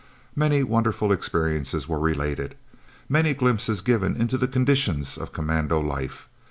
Many wonderful experiences were related, many glimpses given into the conditions of commando life.